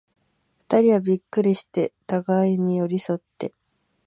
二人はびっくりして、互に寄り添って、